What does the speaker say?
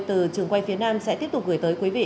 từ trường quay phía nam sẽ tiếp tục gửi tới quý vị